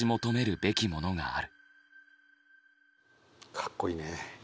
かっこいいね。